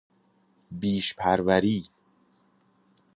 بیش پروری